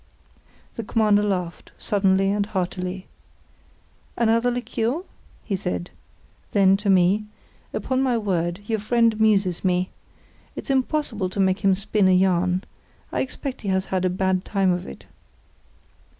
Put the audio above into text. The Commander laughed, suddenly and heartily. "Another liqueur?" he said. Then, to me: "Upon my word, your friend amuses me. It's impossible to make him spin a yarn. I expect he had a bad time of it."